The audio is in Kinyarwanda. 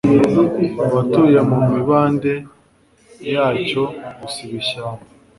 abatuye mu mibande yacyo gusiba ishyamba